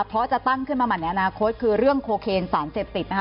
เพราะจะตั้งขึ้นมาใหม่ในอนาคตคือเรื่องโคเคนสารเสพติดนะคะ